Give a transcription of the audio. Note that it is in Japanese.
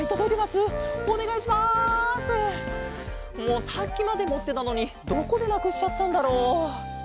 もうさっきまでもってたのにどこでなくしちゃったんだろう？